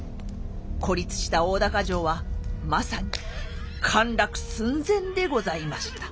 孤立した大高城はまさに陥落寸前でございました。